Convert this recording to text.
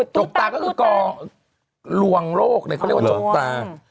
จริงไปเป็นหน้าสัก๒วัน